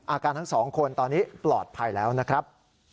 อาการทั้งสองคนตอนนี้ปลอดภัยแล้วนะครับ